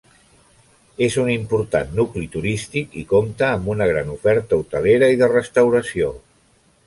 És un important nucli turístic i compta amb una gran oferta hotelera i de restauració.